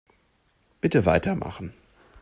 Bitte weitermachen.